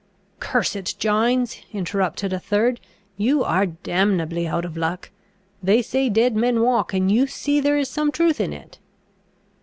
"Curse it, Gines!" interrupted a third, "you are damnably out of luck. They say dead men walk, and you see there is some truth in it."